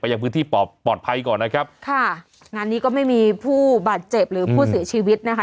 ยังพื้นที่ปอดปลอดภัยก่อนนะครับค่ะงานนี้ก็ไม่มีผู้บาดเจ็บหรือผู้เสียชีวิตนะคะ